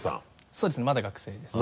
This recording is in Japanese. そうですねまだ学生ですね。